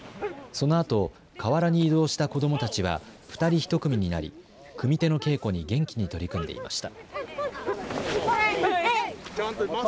そのあと河原に移動した子どもたちは、２人ひと組になり、組み手の稽古に元気に取り組んでいました。